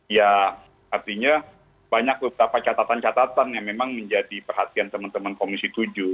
ya artinya banyak beberapa catatan catatan yang memang menjadi perhatian teman teman komisi tujuh